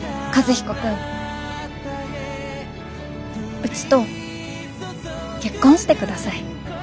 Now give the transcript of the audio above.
うちと結婚してください。